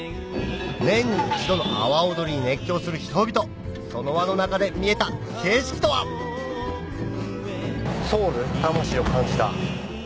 年に１度の阿波おどりに熱狂する人々その輪の中で見えた景色とは⁉ソウル魂を感じた。